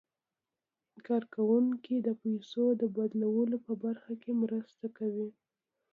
کارکوونکي د پيسو د بدلولو په برخه کې مرسته کوي.